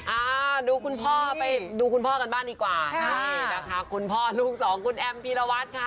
อ่าดูคุณพ่อกันบ้านดีกว่าคุณพ่อลูกสองคุณแอมพีรวัตค่ะ